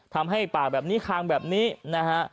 ทำให้ป่าแบบนี้คางแบบนี้นะฮะ